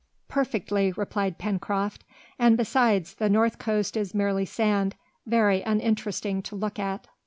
"Perfectly," replied Pencroft, "and besides, the north coast is merely sand, very uninteresting to look at."